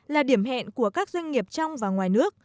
là điểm hẹn của các doanh nghiệp trong và ngoài nước